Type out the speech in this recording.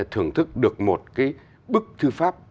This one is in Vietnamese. thưởng thức được một cái bức thư pháp